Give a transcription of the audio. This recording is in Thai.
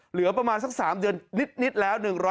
เหลือประมาณสัก๓เดือนนิดแล้ว